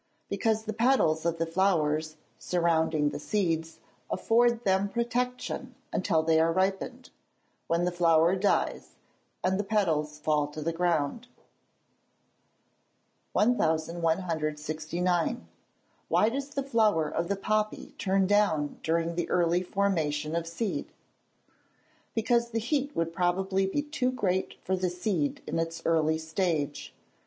_ Because the petals of the flowers, surrounding the seeds, afford them protection until they are ripened, when the flower dies, and the petals fall to the ground. 1169. Why does the flower of the poppy turn down during the early formation of seed? Because the heat would probably be too great for the seed in its early stage.